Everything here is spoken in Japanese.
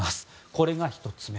これが１つ目。